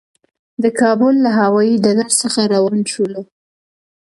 د کابل له هوایي ډګر څخه روان شولو.